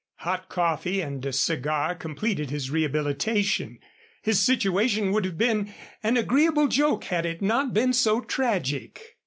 Hot coffee and a cigar completed his rehabilitation. His situation would have been an agreeable joke had it not been so tragic.